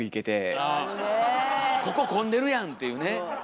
「ここ混んでるやん！」っていうね。